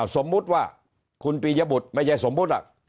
สมมุติว่าคุณปียบุตรไม่ใช่สมมุติล่ะ